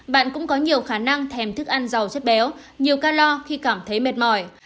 bạn cũng có nhiều khả năng thèm thức ăn giàu chất béo nhiều calor khi cảm thấy mệt mỏi